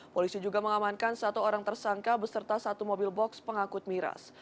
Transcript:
polisi juga mengamankan satu orang tersangka beserta satu mobil box pengakut miras